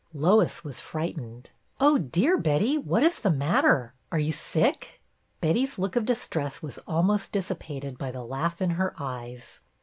Lois was frightened. " Oh, dear, Betty, what is the matter ? Are you sick " Betty's look of distress was almost dissi pated by the laugh in her eyes.